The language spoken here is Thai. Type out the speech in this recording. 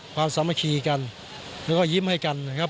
สามัคคีกันแล้วก็ยิ้มให้กันนะครับ